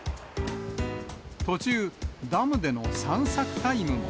途中、ダムでの散策タイムも。